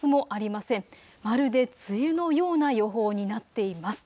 まるで梅雨のような予報になっています。